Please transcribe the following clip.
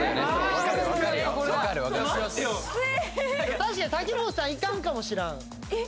確かに瀧本さん行かんかもしらんえっ？